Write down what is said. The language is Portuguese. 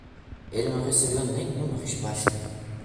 Ele não recebeu nenhuma resposta.